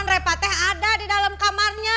repa teh ada di dalam kamarnya